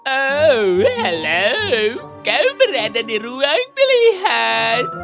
oh halo kau berada di ruang pilihan